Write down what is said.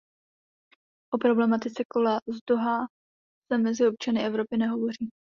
O problematice kola z Dohá se mezi občany Evropy nehovoří.